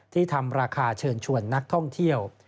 ทำราคาเชิญชวนนักท่องเที่ยว